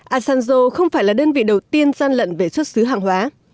asanjo không phải là đơn vị đầu tiên gian lận về xuất xứ hàng hóa